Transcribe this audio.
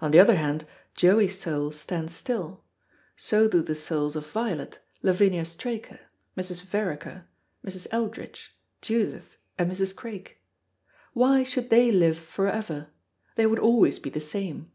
On the other hand, Joey's soul stands still; so do the souls of Violet, Lavinia Straker, Mrs. Vereker, Mrs. Eldridge, Judith, and Mrs. Craik. Why should they live for ever? They would always be the same.